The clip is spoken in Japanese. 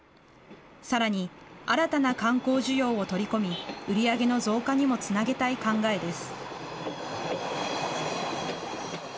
さらに、新たな観光需要を取り込み、売り上げの増加にもつなげたい考えです。